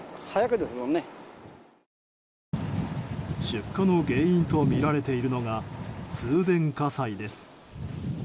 出火の原因とみられているのが通電火災です。